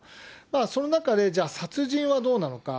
その中で、じゃあ殺人はどうなのか。